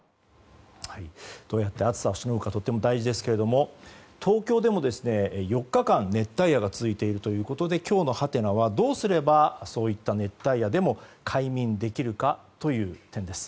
どうやって暑さをしのぐかとても大事ですが東京でも４日間熱帯夜が続いているということで今日のハテナはどうすれば、そうした熱帯夜でも快眠できるかという点です。